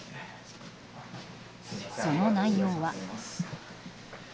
その内容は。